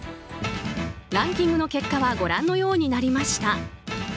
ランキングの結果はご覧のようになりました。